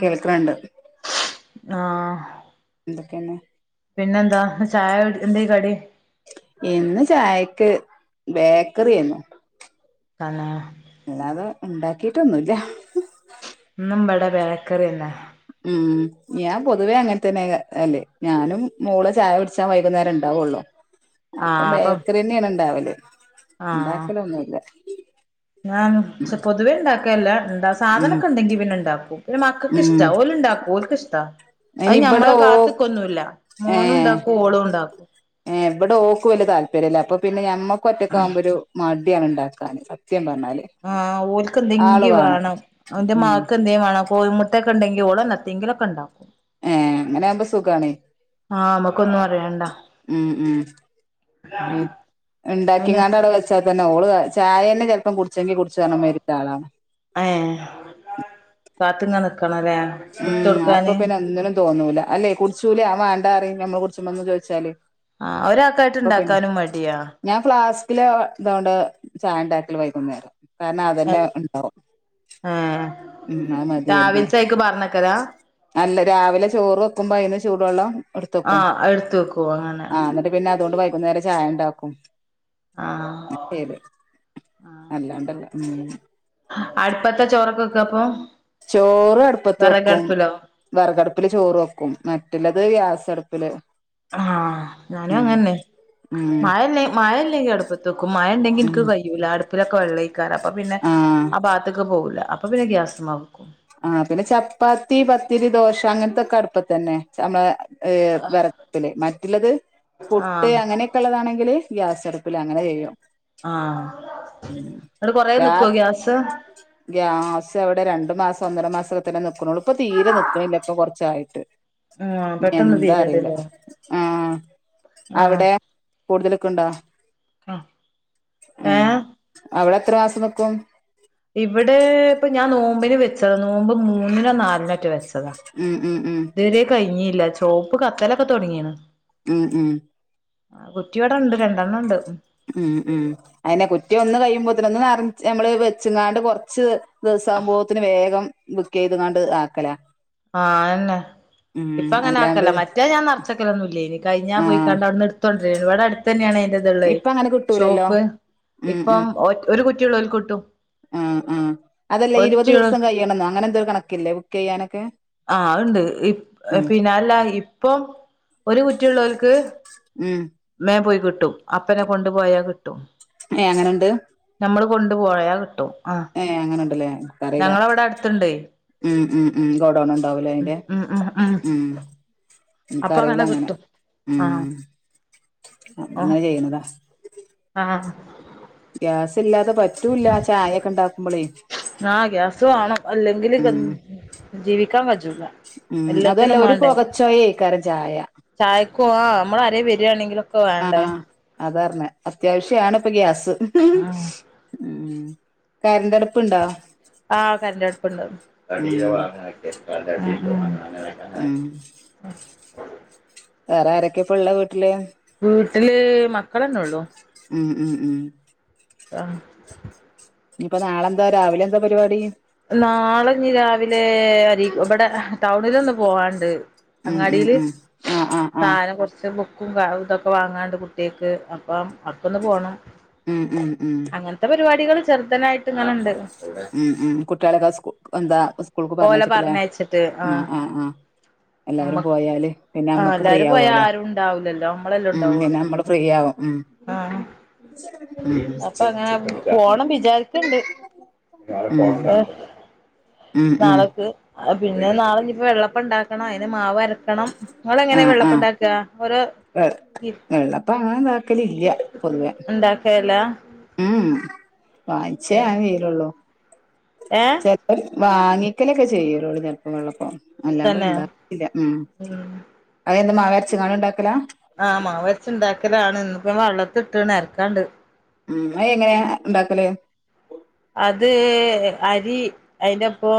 കേൾക്കണണ്ട് ആ... എന്തൊക്കെയാണ് പിന്നന്ത എന്ന് ചായക്ക് ബേക്കറിന്നോ കണ്ണോ അല്ലാത ഉണ്ടാക്കിട്ടൊന്നു ഇല്ല മ്മടെ ബേക്കറീന്നാ ഉം ഞാൻ പൊതുവേ അങ്ങനെ തന്നെ അല്ലെ ഞാനും മോള് ചായ കുടിച്ചാ വൈകുന്നേരം ഇണ്ടാവോള് അപ്പം ബേക്കറി തന്നെയാണ് ഇണ്ടാവല് [inaudible] ആഹ് ഇണ്ടാക്കല് ഒന്നും ഇല്ല ഞാൻ പൊതുവേ ഉണ്ടാക്ക ഇല്ലാ ന്താ ഉം സാധനൊക്ക് ഇണ്ടെങ്കി ഇവൻ ഇണ്ടാക്കും പിന്നെ മക്കക്ക് ഉം ഇഷ്ടാ ഓല് ഇണ്ടാക്കും ഓൽക്ക് ഇഷ് [unintelligible] അയിന് ഇവിട ഓ മോനും ഏഹ് ഉണ്ടാക്കും ഓളും ഉണ്ടാക്കും ഏ ഇവിടെ ഓക്ക് വലിയ താല്പര്യല്ല അപ്പൊ പിന്നെ ഞമ്മ ഒറ്റക്ക് ആവുമ്പോ ഒരു മ ത്തിയാണ് ഉണ്ടാക്കാന് പറഞ്ഞാല് ആഹ് ഓൽക്ക് എന്തെങ്കിം വേണം അവന്റെ ഉം മാക്ക് എന്തേം വേണം കോഴിമുട്ട [unintelligible] ഉണ്ടെങ്കി ഓള് [unintelligible] ഒണ്ടാക്കും ഏ അങ്ങനെ ആവുമ്പ സുഖാണ് ആ മ്മക്കൊന്നും അറയണ്ടാ ഉം ഉം ഉം ണ്ടാക്കി അയിന് [unintelligible] അവിടെ വെച്ചാൽ തന്നെ ഓള് കാ ചായ ന്നെ ചെലപ്പം കുടി ചെങ്കി കുടിച്ച് [unintelligible] പാത്ത്ങ്ങ നിക്ക് ഉം അപ്പൊ പിന്നെ ഒന്നിനും തോന്നൂല അല്ലേ കുടിച്ചൂല ആ വേണ്ടാറിം ഞമ്മള് കുടിചുമ്പൊന്ന് ചോയിച്ചാല് ആഹ് ഒരാക്കായിട്ട് ഇണ്ടാക്കാനും മടിയാ കിലോ തോണ്ട് ചായണ്ടാക്കല് വൈകുന്നേരം കാരണം അതന്നെ ണ്ടാവും ഏഹ് ഉം ആ മതി രാവിലത്തേക്ക് പറഞ്ഞക്കലാ അല്ല രാവിലെ ചോറ് വെക്കുമ്പോ അതയിന് ചൂടുവെള്ളം എടുത്ത് വെക്കും ആഹ് എടുത്ത് വെക്കുവോ അങ്ങനെ ആഹ് എന്നിട്ട് പിന് അതുകൊണ്ട് വൈകുന്നേരം ചായ ണ്ടാക്കും ആഹ് [inaudible] അല്ലാണ്ടല്ല ഉം അടുപ്പത്താ ചോറ് ഒക്കെ വെക്ക അപ്പൊ ചോറ് അടുപ്പത്ത് വെക്കും വിറകടുപ്പിലോ വെറകടുപ്പില് ചോറ് വെക്കും മറ്റുള്ളത് ഗ്യാസ് അടു പ്പില് ആഹ് ഞാനും അങ്ങന്നെ ഉം മഴയില്ലെ മഴയി ല്ലെങ്കി അടുപ്പത്തക്കും മഴ ഇണ്ടെങ്കി എനിക്ക് ഉം കയ്യൂല അടുപ്പിലൊക്കെ വെള്ളയ്ക്കാരം അപ്പൊ പിന്നെ ആഹ് ആ ഭാഗത്ത്ക്ക്‌പോ പോഊല അപ്പൊ പിന്നെ ഗ്യാസ്മെക്കും ആ പിന്നെ ചപ്പാത്തി പത്തിരി ദോശ അങ്ങനത്തൊക്കെ അടുപ്പത്തന്നെ ച്ചല് ഏ വിറകട്പ്പില് മറ്റുള്ളത് പുട്ട് ആഹ് അങ്ങനെയൊക്കെള്ളതാണെങ്കില് ഗ്യാസട്പ്പില് അങ്ങനെ ചെയ്യും ആഹ് ഇന്നട്ട് കൊറേ നിക്കോ ഗ്യാസ് ഗ്യാസിവിടെ രണ്ടു മാസം ഒന്നര മാസത്തിലെ നിൽക്കുന്നോള്ളൂ ഇപ്പൊ തീരെ നിക്ക്ണില്ല ഇപ്പൊ കുറച്ചായി ട് ആഹ് പെട്ടെന്ന് എന്താ അറീല്ല തീര്ണ്ട്ല്ലേ ആ ആഹ് അവിടെ കൂടുതല്ക്കുണ്ടോ ആഹ് എ ഏഹ് അവിടെ ത്ര മാസം ന്നിക്കും ഇവിടെ ഇപ്പൊ ഞാൻ നോമ്പിന് വെചതാ നോമ്പ് മൂന്നിനോ നാലിനൊറ്റെ വെച്ച ഉം ഉം ഉം ഇത് വരെ കഴിഞ്ഞില്ല ചോപ്പ് കത്തലൊക്കെ തുടങ്ങിണ് ഉം ഉം ആ കുറ്റി ഇവിടെ ണ്ട് രണ്ടെണ്ണം ണ്ട് ഉം ഉം അയെന്നെ കുറ്റി ഒന്ന് കഴിയുമ്പോത്തന് ഒന്ന് നെറച്ച് നമ്മള് വെച്ച്ങ്ങാണ്ട് കുറച്ച് ദിവസാവുമ്പോത്ത്ന് വേഗം ബുക്കെയ്തങ്ങാണ്ട് ആക്കല ആ അഅന്നെ ഇപ്പ അങ്ങനെ അല്ലാണ്ട് ആക്കലാ മറ്റേ ഞാൻ നെറച്ചക്കലൊന്നും ല്ലേനി കഴിഞ്ഞാ ആഹ് പോയിക്കാണ്ട് അവട്ന്ന് ഇട്ത്തുണ് ഇവടെ അടുത്തന്നെയണ് ഇപ്പ അങ്ങനെ കിട്ടൂലല്ലോ ഉം ഉം ഇപ്പം ഒരു കുറ്റിയുള്ളോൽക്ക് കിട്ടും ആ ആ അതല്ലേ ഒരു ഇരുപത് കുറ്റിയുള്ള ദിവസം കഴിയണംന്നോ അങ്ങനെ എന്തോ കണക്കില്ലേ ബുക്ക് യ്യാനൊക്കെ ആ അത്ണ്ട് ഇ പിന്നെ അല്ല ഇപ്പം ഒരു കുറ്റിള്ളോൽക്ക് ഉം മേ പോയി കിട്ടും അപ്പന്നെ കൊണ്ടു പോയാൽ കി ഏ അങ്ങനെണ്ട് കൊണ്ട് പോയാൽ കിട്ടും ആഹ് ഏ അങ്ങനെയുണ്ട് ഇല്ലേ അറിയില്ല ഞങ്ങളവിടെ അടുത്തുണ്ടേ ഉം ഉം ഉം ഗോഡൗൺ ഉണ്ടാവുലെ ഉം അയിന്റെ ഉം ഉം ഉം അപ്പൊ എന്ക്ക്ക്കറീല അങ്ങനെ കിട്ടും ഉം ആഹ് ആ അങ്ങനെ ചെയ്യുന്നതാ ആ ഗ്യാസ് ഇല്ലാതെ പറ്റൂല്ല ചായൊക്കെ ഇണ്ടാക്കുമ്പളേ ആ ഗ്യാസ് വേണം അല്ലെങ്കിൽ ഉം ജീവിക്കാൻ കജൂല ഉം അതല്ല എല്ലാത്തിനും ഒരു വേണ്ടേ പുകച്ചോയെയ്ക്കാരം ചായ ആരേം വരാണെങ്കിലും ഒ ക്കെ വേണ്ടേ അത്യാവശ്യണപ്പോ ഗ്യാസ് [unintelligible] ആഹ് ഉം കരണ്ടടുപ്പുണ്ടോ ആ കരണ്ടടുപ്പ്ണ്ട് ഉം ഉം [unintelligible] [inaudible] വേറെ ആരൊക്കെ ഇപ്പ ഇള്ള വീട്ടില് വീട്ടില് മക്കളന്നെ ഉള്ളു ഉം ഉം ഉം ആഹ് ഇനിപ്പൊ നാളെന്താ രാവിലെ എന്താ പരിപാടി നാളെ രാവിലെ അരി ഇവിടെ ടൗണിലൊന്ന് പോവാണ്ട് ഉം ഉം അങ്ങാടിയില് ഉം ആഹ് ആഹ് ആഹ് സാധനം കുറച്ച് ബുക്കും ഇതൊക്കെ വാങ്ങാണ്ട് കുട്ടിയേക്ക് അപ്പം അപ്പൊന്ന് പോണം ഉം ഉം ഉം അങ്ങനത്തെ പരിപാടികൾ ചെറുദനായിട്ട് ഇങ്ങനെ ഉണ്ട് ഉം ഉം കു ട്ട്യേളൊക്കെ സ്ക്കൂ എന്താ സ്കൂൾക്ക് ഓലെ പറഞ്ഞയച്ച്ട്ട് ലേ പറഞ്ഞയച്ചിട്ട് ആ ആ ആഹ് എല്ലാവരും നമ്മക്ക് പോയാല് പിന്നെ ആ അമ്മക്ക് ഫ്രീ എല്ലാരും പോയാ ആവോലോ ആരും ഉണ്ടാവൂലല്ലോ നമ്മളല്ലേ ഉം ഉണ്ടാവുള്ളൂ പിന്നെമ്മള് ഫ്രീയാവും ഉം ആ ഉം അപ്പൊ അങ്ങനെ പോണം വിചാരിക്കണ്ട് ഉം ഉം ഉം നാളക്ക് പിന്നെ നാളെ ഇഞ്ഞിപ്പോ വെള്ളപ്പം ഇണ്ടാക്കണം അതിന് മാവര ക്കണം നിങ്ങൾ എങ്ങനെ ആഹ് ആഹ് വെള്ളപ്പണ്ടാക്ക ഓരോ വെ വെള്ളപ്പം അങ്ങനെ ഇതാക്കലില്ല ഉണ്ടാക്കേല്ല ഊഉം വായിച്ചേ ഞാൻചെയ്ലൊള്ളൂ ഏ ചെൽപ്പം വാങ്ങിക്കലൊക്കെ ചെയ്യലൊള്ളൂ ചെൽപ്പം വെള്ളപ്പം അല്ലാണ്ട് തന്നെ ഉണ്ടാക്കല്ല ഉം അതെന്ത മാവര്ച്ച് കാണ്ട് ഉണ്ടാക്കലാ ആഹ് മാവര്ച്ച് ഇണ്ടാക്കലാണ് ഇന്നിപ്പം വള്ളത്ത് ഇട്ട്ണ് അരക്കാണ്ട് ഉം അ എങ്ങനെയാ ഉണ്ടാക്കല് അത് അരി അയ്ന്റെപ്പൊ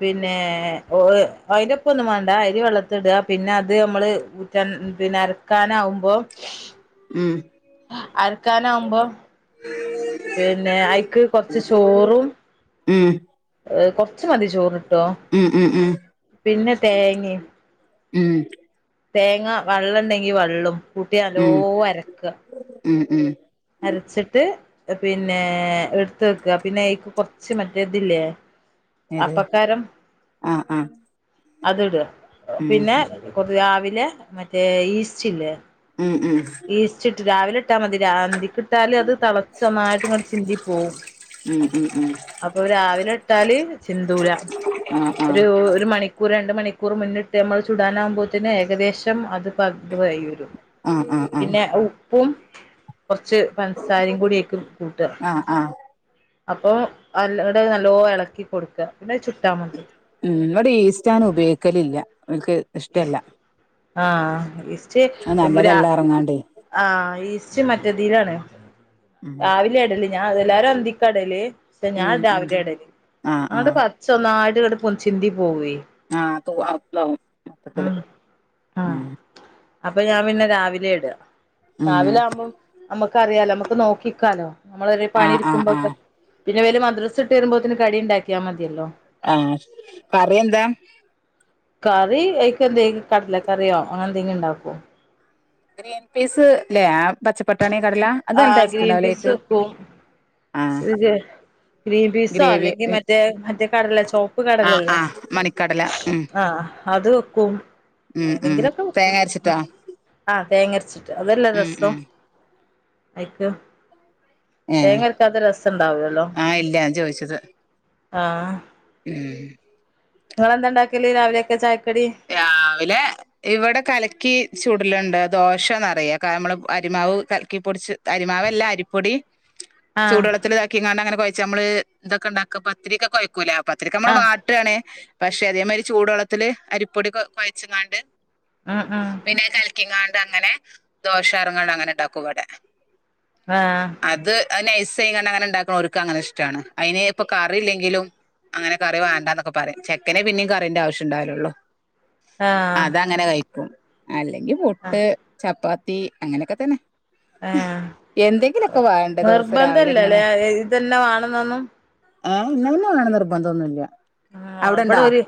പിന്നേ അയ്ന്റെ പ്പൊന്നും വാണ്ട അരി വെള്ളത്ത് ഇടാ പിന്നെ അത് നമ്മള് ഊറ്റൻ പിന്നെ അരക്കാനാവുമ്പം ഉം അരക്കാൻ ആവുമ്പം പിന്നെ ഐക്ക് കൊർച്ച് ചോറും ഉം ഏ കൊർച്ചു മതി ചോറ് ഉം ഉം ഉം തേങ്ങിം ഉം തേങ്ങ വള്ളം ഉണ്ടെങ്കി വള്ളും കൂട്ടി നല്ലോ ഉം അരക്ക ഉം ഉം അരച്ചിട്ട് പിന്നെ എടുത്ത് വെക്കുക പിന്നെ ഏക്ക് കുറച്ച് മറ്റേ ഇതില്ലേ എത് ആ ആ അത്ട പിന്നെ കൊതി ആവി ല്ല മറ്റേ ഈസ്റ്റ് ഇല്ലേ ഉം ഉം ഈസ്റ്റിട്ട് രാവിലെ. ട്ടാ മതി രാ കിട്ടാല് അത് തളച്ച നന്നായിട്ട് ഇങ്ങടെ ചിന്തി പോകവും ഉം ഉം ഉം അപ്പൊ രാവിലെ ഇട്ടാല് ചിന്തൂലാ ആഹ് ആഹ് ഒരു ഒരു മണിക്കൂർ രണ്ട മണിക്കൂർ മണിക്കൂർ മുന്നിട്ട് നമ്മൾ ചൂടാനാകുമ്പോഴത്തന് ഏകദേശം അത് ത് വൈും ആഹ് ആഹ് ആഹ് പിന്നെ ഉപ്പും കുറച്ച് പൻസാരയും കൂടേ അയ്ക്ക് കൂട്ടുക. ആഹ് ആഹ് അപ്പൊ അല്ലടെ നല്ലോ ഇളക്കി കൊടുക്കുക. ഉം ഇവിടെ ഈസ്റ്റ് അങ്ങനെ ഉപയോഗിക്കലില്ല എനിക്ക് ആ ഈസ്റ്റ് അത് നല്ലതല്ല പറഞ്ഞാണ്ടേ ആ ഈസ്റ്റ് മറ്റതിലാണ് രാവിലെ ഇടല്ല ഞാൻ എല്ലാരും അ ന്തിക്കടല് പക്ഷെ ഞാൻ ഉം ഉം രാവിലെ ഇടല് ആഹ് അതോണ്ട് ആഹ് പച്ച് ഒന്നായിട പൊന്തി ചിന്തി പോകുവേ ആ തൂ അ [unintelligible] ആ ആ അപ്പൊ ഞാൻ പിന്നെ രാവിലെ എടു ഇടാ ഉം രാവില ആകുമ്പോം നമ്മുക്ക്റിയാലോ നമ്മുക്ക് നോക്കിക്കാലോ നമ്മൾ ഒരു പണി ആഹ് ആഹ് എടുക്കുമ്പോക്കെ ആഹ് പിന്നെ വല മദ്രസ വിട്ട് വരുമ്പോഴത്തന് കടി ഇണ്ടാക്കിയാ മതിയല്ലോ ആ കറി എന്താ കറി അക്ക് എന്ത കട്ട്ല കറിയോ അങ്ങനെ എന്തെലും ഉണ്ടാക്കും ഗ്രീൻ പീസ്ല്ലേ ആ പച്ചപ്പട്ടാണി കടല അത് നല്ല ടേസ്റ്റ് ഉണ്ടാവലേ അയക്ക് ഇ ഗ്രീൻ പീസോ ഗ്രേവി അല്ലെങ്കിൽ മറ്റേ മറ്റേ കടല ചോപ്പ് ആഹ് കടലല്ലേ ആഹ് മണിക്കടല ഉം ആ അത് വെക്കും ഉം ഉം ഏതെങ്കിലൊക്കെ വെക്കും തേങ്ങ അരച്ചിട്ടോ ആ തേങ്ങരച്ച് അതെല്ലാ ഉം രസം ഉം ഐക്ക് ഏഹ് അത് രസംണ്ടാവല്ലോ ആഹ് ഇല്ല ഞാൻ ചോദിച്ചത് ആഹ് ഉം നിങ്ങളെന്താണ്ടക്കല് രാവിലെക്കെ ചായക് രാവിലെ ഇവിടെ കലക്കി ചൂടലുണ്ട് ദോഷന്നറയെ കാരംമ്മള് അരിമാവ് കൽക്കിപ്പൊടിച്ച് അരിമാവല്ല അരിപ്പൊടി ആഹ് ചൂടുവെള്ളത്തിലിതാക്കിങ്ങാണ്ട് അങ്ങനെകൊയ് ഞമ്മള് ഇതൊക്കിണ്ടാക്ക പത്തിരിയൊക്കെ കൊയ്ക്കൂലേ പത്തിരിക്കമ്മള് ആഹ് വാട്ടെണ് പഷെ അതേമാതിരി ചൂടുവെള്ളത്തില് അരിപ് പൊടി കൊ കൊയ്ച്ച്ങ്ങാണ്ട് ഉം ഉം പിന്നെ കലക്കിക്കാൺ അങ്ങനെ ദോഷാറങ്ങണനങ്ങ നു ണ്ടാക്കു ഇവിടെ ആഹ് അയ്നൈസ്സയിങ്ങണ്ട് അങ്ങന ഉണ്ടാക്കണ ഓര്ക്ക് അങ്ങനെ ഇഷ്ട്ടാണ് അയ്ന് ഇപ്പ കറി ഇല്ലെങ്കിലും അങ്ങനെ കറി വേണ്ടാന്നൊക്കെ പറയും ചെക്കനെ പിന്നേംകറീന്റെ ആവശ്യണ്ടാവലൊള്ളൂ ആഹ് അതഅങ്ങന കയ്പ്പും അലെ ഇൻക്ക് ആഹ് പുട്ട് ചപ്പാ ത്തി അങ്ങനൊക്കെ തന്നെ ആ എന്തെങ്കിലുമൊക്കെ വേണ്ട ദിവസം രാവിലെ ഇങ്ങനെ നിർബന്ധല്ലലെ [unintelligible] തന്നെ വാണന്നൊന്നും ആ ഇന്നഹ് മാണം നിർബന്തൊന്നുല്ല ആ ഇബടൊര്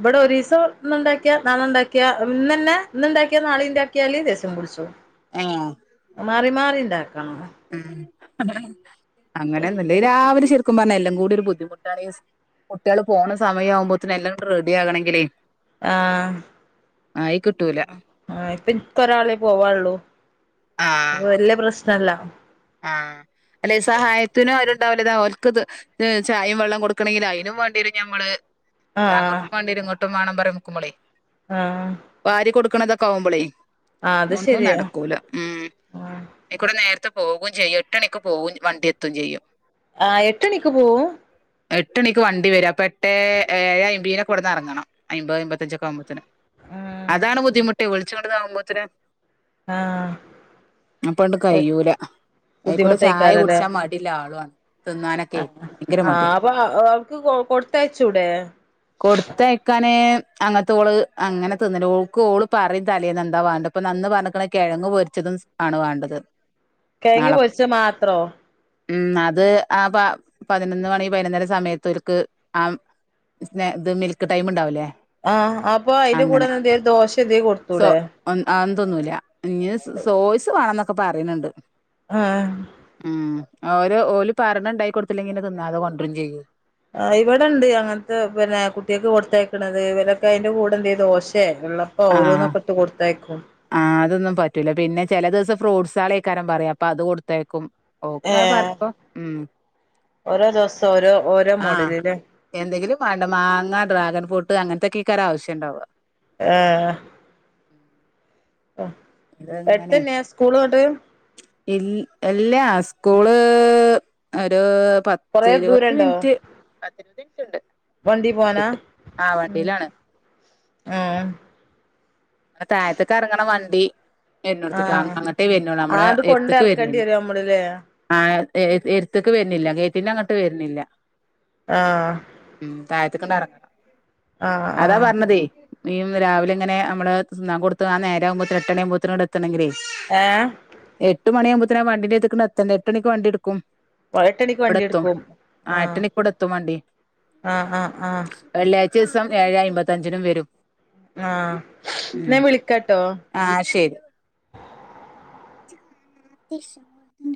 ഇബടൊരീസം ഇന്ന്ണ്ടാക്കിയ നാളെണ്ടാക്കിയ ഇന്ന് എന്നെ ഇന്ന്ണ്ടാക്കിയാ നാളീം ഇണ്ടാക്കിയാല് ദേഷ്യം പുട്ച്ചും ഏഹ് മാറി മാറി ഇൻ ണ്ടാക്കണം ഉം അങ്ങനെ ഒന്ന് ഇല്ല ഇ രാവിലെ ശെര് ക്കും പർഞ്ഞ എല്ലം കൂടി ഒരു ബുദ്ധിമുട്ടാണി ഇസ് കുട്ടാൾ പോണ സമയാവുമ്പോത്തിന് എല്ലംങ്ങട്ട് റെഡിയാകണെങ്കിലേ ആ കിട്ടൂല ആ ഇപ്പം ഇൻക്കൊരാളെ പോവാള്ളൂ അപ്പൊ വല്ല്യ പ്രശ് സല്ലാ ആ അല്ലേയ് സഹായത്തിന് ഒരോ ണ്ടാവില്ല ഇതാ ഓൽക്ക് ഇത് ത് ചായേം വെള്ളം കൊട്ക്കണങ്കി അയ്നും വാണ്ടെരും ഞമ്മൾ ഇത് അങ്ങോട്ടും വാണ്ടെരും ഇങ്ങട്ടും വാണം [unintelligible] ആ ക്ക്ണതൊക്കെ ആവുമ്പളേ ഒന്നും നടക്കൂല ഉം ഇക്കുറി നേര്ത്തെ പോകും ചെയ്യും എട്ടെണിക്ക് പോവും വണ്ടി എത്തും ചെയ്യും ആ എട്ട് ണിക്ക് പോവും എട്ട് ണിക്ക് വണ്ടി വേരും അപ്പ എട്ടേ ഏഴെ അയ്മ്പീനോക്കെ ഇവട്ന്ന് അറങ്ങണം അയ്മ്പഹ് അയ്മ്പത്ത അഞ്ചൊക്കെ ആവുമ്പോത്തിന് ആഹ് അതാണ് ബുദ്ധിമുട്ട് വെൾച്ചം ഇങ്ങട്ട് താകുമ്പോത്തിന് ആഹ് അപ്പണ്ട് കയ്യൂലാ അയിക്കൂടെ ചായ കുട്ച്ചാൻ മടിയില്ല ആ ആളു ആ ആ ആ അപ്പൊ അ അവക്ക് കൊ കൊട്ത്തയ്ച്ചൂടെ അങ്ങത്തെ ഓള് അങ്ങനെ തിന്നൽ ഓൾക്ക് ഓള് പറിം തലേന്ന് എന്താ വണ്ടെ ഇപ്പ നന്ന് പർഞ്ഞ്ക്ക്ണേ കെഴങ്ങ് പൊരിച്ചതും ആണ് വാണ്ടത് കെഴങ്ങ് നാളെ പൊരിച്ചയ് മാത്രോ ഉം അത് ആ പ പതിനൊന്ന് മണി പൈനോന്നര സമയത്ത് ഓൽക്ക് ആമ് സ്നെ ഇത് മിൽക്ക് ടൈം ഇണ്ടാവ് ലെ ആ അപ്പൊ അയിന്റെ കൂടെന്നാ എന്തെലും ദോശ എന്തേം കൊട്ത്തൂടെ തിന്നുലാ ഇഞ് സ് സോയിസ് വാണം ന്നൊ ഒക്കെ പറയ്ന്ന്ണ്ട് ആഹ് ആ ഒരു ഓല് പറയണത് ഇണ്ടാക്കി കൊടുത്തില്ലെങ്കിന തിന്നാതെ കൊണ്ടരും ചെയ്യൂ ആ ഇവിടെണ്ട് അങ്ങനത്തെ പിന്നെ കുട്ടികക്ക് കൊടുത്തേക്കണത് ഇവരൊക്കെ അയിന്റെ കൂടെ എന്ത ചെയ്യ ദോശയെ വെള്ളപ്പ ആഹ് ഓരോന്നൊക്കെട്ട് കൊടുത്തയക്കും ചില ദിവസം ഫ്രൂട്ട്സ് ആളിക്കാനം പറയും അപ്പൊ അത് കൊടുത്തയക്കും ഓക്കങ്ങനെ ഏഹ് പറപ്പോ ഉം ഓരോ ദിവസം ഓരോ ഓരോ ആ മോഡലില്ലേ എന്തെങ്കിലും പണ്ട മാങ്ങ ഡ്രാഗൺ ഫ്രൂട്ട് അങ്ങനത്തത്തെക്കെകാര്യ ആവശ്യംണ്ടാവുക ഏ ഉം എടുത്തന്നെയ സ്കൂൾ [unintelligible] ഇ അല്ല സ്കൂള് ഒരു പത്തി കൊറേ ഇരുപത് ദൂരണ്ടോ മിനിറ്റ് പത്തിരുപത് മിനിറ്റ്ണ്ട് വണ്ടി പോവാനാ ആ ഉം വണ്ടിയിലാണ് ആഹ് അ താഴത്തക്ക ഇറങ്ങണ വണ്ടി വടുത്തക്ക ആഹ് അങ്ങനത്തെ വുന്ന [inaudible] നമ്മുടെ ആണ്ട് കൊണ്ട് എടുത്തക്ക് എറക്കേണ്ടി വരുന്നില്ല വരും നമ്മള്ല്ലേ ആ എരത്തക്ക് വരുന്നില്ല ഗേറ്റിന്റെ അങ്ങോട്ട് വരുന്നില്ല ആ [unintelligible] അതാ പറഞ്ഞതേ നീ ഇന്ന് രാവിലെ ഇങ്ങനെ അമ്മള് തിന്നാൻ കൊടുത്ത് [unintelligible] എത്തനങ്കിലെ ഏ എട്ട് മണിയമ്പത്തിന് വണ്ടിന്റെ എര് ത്‌ക്ക് എത്തണ്ടേ എട്ട്ണിക്ക് വണ്ടി എടുക്കും എട്ടണിക്ക് ഇവിടെ വണ്ടി എത്തും എടുക്കും ആ എട്ടണിക്ക് ഇവിടെ എത്തും വണ്ടി ആ ആ ആ പിറ്റിയേസം ഏഴെ അയിമ്പത്തഞ്ചിനും വരും ആ എന്നാ ഉം നാൻ വിളിക്കാട്ടോ ആ ശരി [unintelligible]